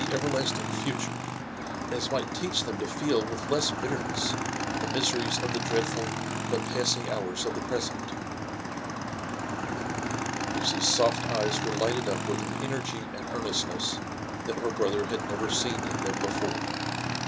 everlasting future as might teach them to feel with less bitterness the miseries of the dreadful but passing hours of the present V Lucy's soft eyes were lighted up with an energy and earnestness that her brother had never seen in them before.